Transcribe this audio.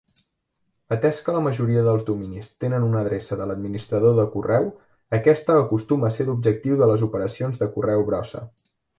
Atès que la majoria dels dominis tenen una adreça de l'administrador de correu, aquesta acostuma a ser l'objectiu de les operacions de correu brossa.